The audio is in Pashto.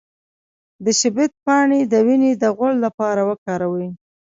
د شبت پاڼې د وینې د غوړ لپاره وکاروئ